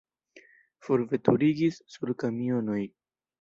Forveturigis sur kamionoj.